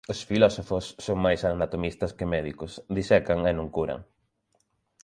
Os filósofos son máis anatomistas que médicos: disecan e non curan.